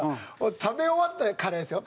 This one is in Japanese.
食べ終わったカレーですよ。